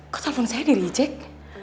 kok telepon saya dirijek